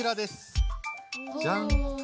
じゃん！